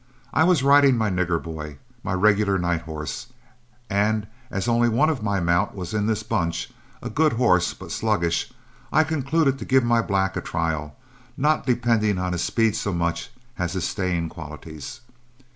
I was riding my Nigger Boy, my regular night horse, and as only one of my mount was in this bunch, a good horse, but sluggish, I concluded to give my black a trial, not depending on his speed so much as his staying qualities.